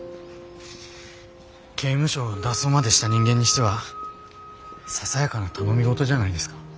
刑務所を脱走までした人間にしてはささやかな頼み事じゃないですか。